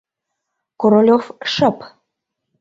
Королёв шып.